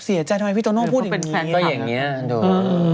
เสียใจทำไมพี่โตโน่พูดอย่างนี้แฟนก็อย่างนี้ดู